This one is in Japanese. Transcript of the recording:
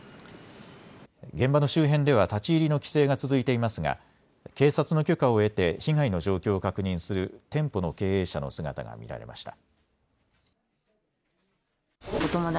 現場の周辺では立ち入りの規制が続いていますが警察の許可を得て被害の状況を確認する店舗の経営者の姿が見られました。